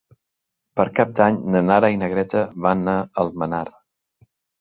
Per Cap d'Any na Nara i na Greta van a Almenar.